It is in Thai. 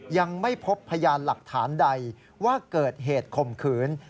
ยังไม่พบพยานหลักฐานใดว่าเกิดเหตุข่มขืน